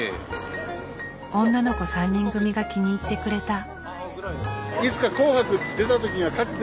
女の子３人組が気に入ってくれた。